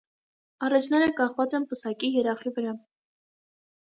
Առէջները կախված են պսակի երախի վրա։